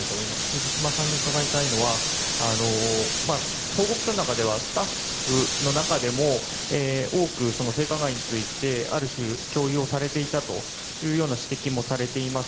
藤島さんに伺いたいのは報告書の中ではスタッフの中でも多く性加害についてある種強要されていたというような指摘もされています。